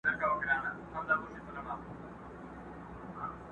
o اصل بې بها وي، کم اصل بها وي!